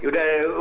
udah di sini